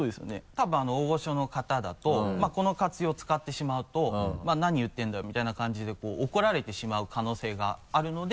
多分大御所の方だとこの活用使ってしまうと「何言ってるんだろう？」みたいな感じで怒られてしまう可能性があるので。